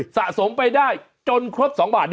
สะสมไปได้จนครบ๒บาท